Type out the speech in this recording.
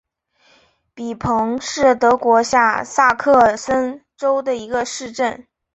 比彭是德国下萨克森州的一个市镇。